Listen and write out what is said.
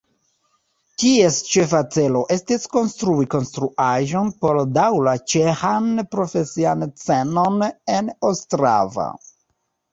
Ties ĉefa celo estis konstrui konstruaĵon por daŭra ĉeĥan profesian scenon en Ostrava.